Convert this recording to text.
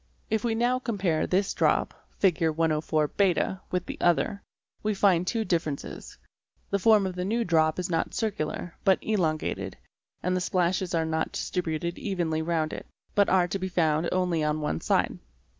If we now compare this drop, Fig. 104 b, with the other, we find two Fig. 104 b. differences; the form of the new drop is not circular, but elongated, and the splashes are not distributed evenly round it, but are to be found only on me side.